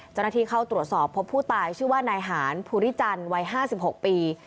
จนทีเขาตรวจสอบพบผู้ตายชื่อว่านายหานภูริจันวัย๕๖ปี